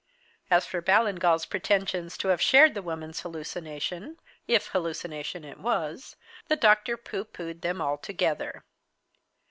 As for Ballingall's pretensions to having shared the woman's hallucination if hallucination it was the doctor pooh poohed them altogether.